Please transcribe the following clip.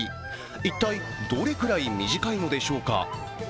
一体どれくらい短いのでしょうか。